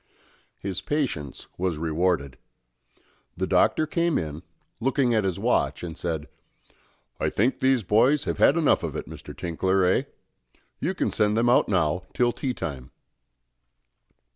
His patience was rewarded; the Doctor came in, looking at his watch, and said, "I think these boys have had enough of it, Mr. Tinkler, eh? You can send them out now till tea time."